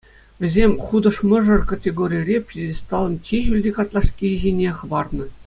Вӗсем «Хутӑш мӑшӑр» категорире пьедесталӑн чи ҫӳлти картлашки ҫине хӑпарнӑ.